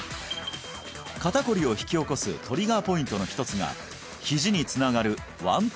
肩こりを引き起こすトリガーポイントの一つがひじにつながる腕